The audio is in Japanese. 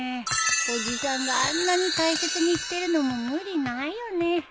おじさんがあんなに大切にしてるのも無理ないよね。